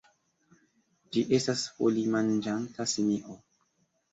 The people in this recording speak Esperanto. Ĝi estas folimanĝanta simio.